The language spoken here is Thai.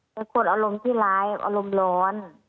เป็นคนอารมณ์ที่ร้ายอารมณ์ร้อน